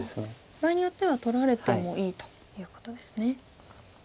場合によっては取られてもいいということですね。